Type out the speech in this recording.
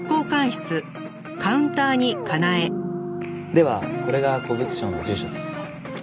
ではこれが古物商の住所です。